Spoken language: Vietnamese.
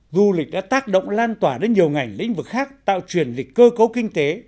du lịch đã tác động lan tỏa đến nhiều ngành lĩnh vực khác tạo truyền lịch cơ cấu kinh tế